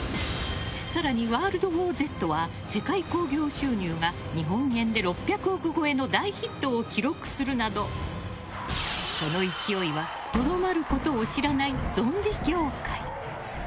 更に「ワールド・ウォーＺ」は世界興行収入が日本円で６００億超えの大ヒットを記録するなどその勢いはとどまることを知らないゾンビ業界。